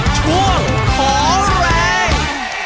ช่วงขอแรง